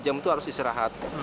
jam itu harus istirahat